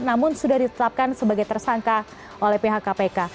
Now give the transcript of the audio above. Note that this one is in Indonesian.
namun sudah ditetapkan sebagai tersangka oleh pihak kpk